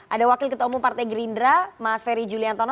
ada wakil ketua umum partai gerindra mas ferry juliantono